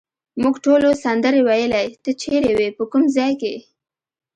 موږ ټولو سندرې وویلې، ته چیرې وې، په کوم ځای کې؟